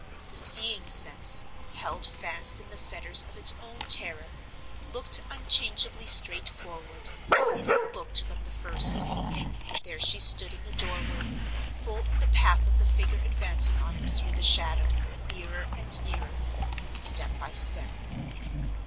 The seeing sense—held fast in the fetters of its own terror—looked unchangeably straightforward, as it had looked from the first. There she stood in the door way, full in the path of the figure advancing on her through the shadow, nearer and nearer, step by step.